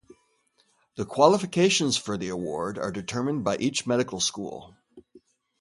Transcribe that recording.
The qualifications for the award are determined by each medical school.